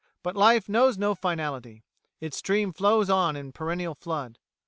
But life knows no finality; its stream flows on in perennial flood.